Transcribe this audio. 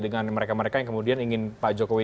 dengan mereka mereka yang kemudian ingin pak jokowi